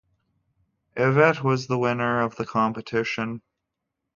Ivette was the winner of the competition.